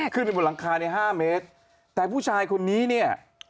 ขึ้นไปบนหลังคาในห้าเมตรแต่ผู้ชายคนนี้เนี่ย